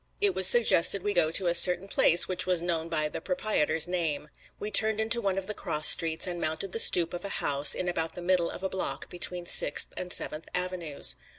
It was suggested we go to a certain place which was known by the proprietor's name. We turned into one of the cross streets and mounted the stoop of a house in about the middle of a block between Sixth and Seventh Avenues.